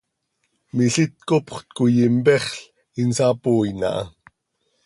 Milít copxöt coi mpexl, insapooin aha.